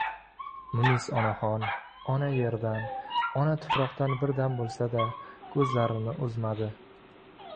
Munis onaxon ona yerdan, ona tuproqdan bir dam bo‘lsa-da, ko‘zlarini uzmadi.